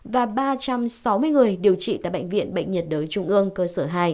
và ba trăm sáu mươi người điều trị tại bệnh viện bệnh nhiệt đới trung ương cơ sở hai